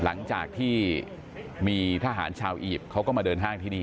หลังจากที่มีทหารชาวอียิปต์เขาก็มาเดินห้างที่นี่